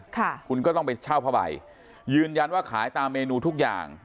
ค่ะคุณก็ต้องไปเช่าผ้าใบยืนยันว่าขายตามเมนูทุกอย่าง